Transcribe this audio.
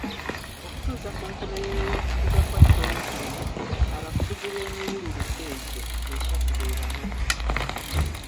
Okutuusa ku nkomerera y'okufuga kwa Chwa II, abafuzi ab'emiwululu egyo esatu be bano.